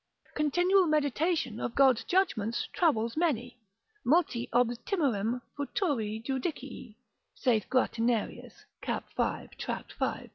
Continual meditation of God's judgments troubles many, Multi ob timorem futuri judicii, saith Guatinerius cap. 5. tract. 15.